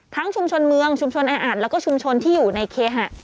ทั้งชุมชนเมืองชุมชนอาหารแล้วก็ชุมชนที่อยู่ในเคฮะ